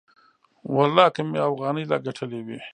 ولله که مې اوغانۍ لا گټلې وي.